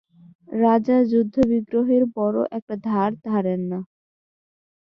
রাজা যুদ্ধবিগ্রহের বড়ো একটা ধার ধারেন না।